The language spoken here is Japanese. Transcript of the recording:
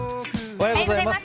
おはようございます。